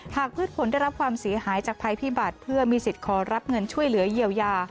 พืชผลได้รับความเสียหายจากภัยพิบัตรเพื่อมีสิทธิ์ขอรับเงินช่วยเหลือเยียวยา